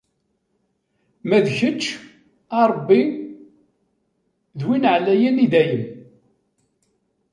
Ma d kečč, a Rebbi, D win εlayen, i dayem!